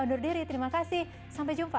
undur diri terima kasih sampai jumpa